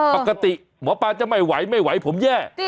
ปกติหมอปลาจะไม่ไหวไม่ไหวผมแย่